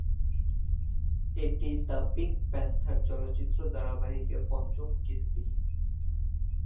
এটি "the Pink Panther" চলচ্চিত্র ধারাবাহিকের পঞ্চম কিস্তি।